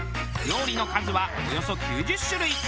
料理の数はおよそ９０種類。